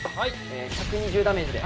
１２０ダメージで。